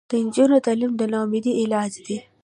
د نجونو تعلیم د ناامیدۍ علاج دی.